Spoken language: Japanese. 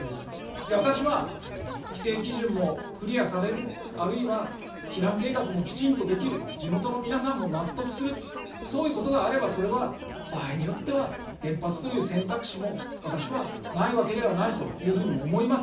いや、私は、規制基準もクリアされる、あるいは避難計画もきちんとできる、地元の皆さんも納得する、そういうことがあれば、それは場合によっては、原発という選択肢も私はないわけではないというふうには思います。